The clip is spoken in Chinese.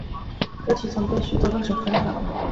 歌曲曾被许多歌手翻唱。